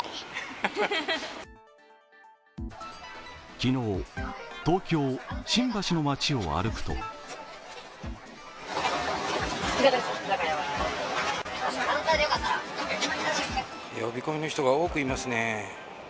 昨日、東京・新橋の街を歩くと呼び込みの人が多くいますね。